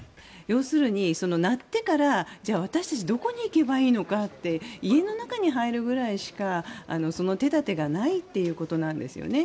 要するに鳴ってからじゃあ私たちどこに行けばいいのかって家の中に入るぐらいしかその手立てしかないということなんですよね。